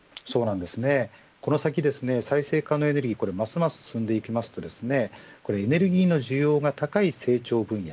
この先、再生可能エネルギーがますます進んでいきますとエネルギーの需要が高い成長分野